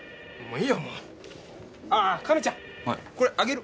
これあげる。